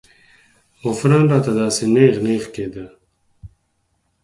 غوپران راته داسې نېغ نېغ کېدو.